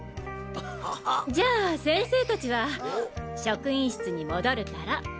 じゃあ先生達は職員室に戻るから。